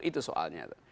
itu soalnya tuh